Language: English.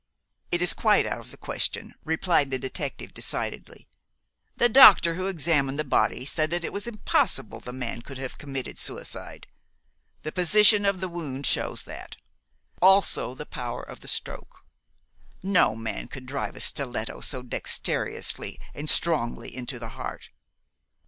"It is quite out of the question," replied the detective decidedly. "The doctor who examined the body said that it was impossible the man could have committed suicide. The position of the wound shows that; also the power of the stroke. No man could drive a stiletto so dexterously and strongly into the heart.